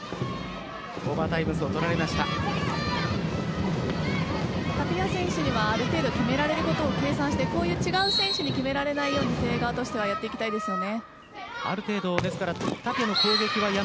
タピア選手には、ある程度決められることを計算してこういう違う選手に決められないように誠英側としてはやっていきたいですよね。